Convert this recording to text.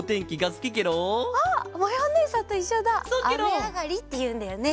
あめあがりっていうんだよね。